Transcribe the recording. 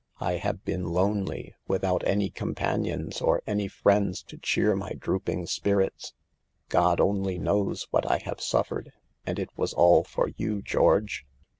I have been lonely, without any companions or any friends to cheer my droop ing spirits. God only knows what I have suffered, and it was all for you, George.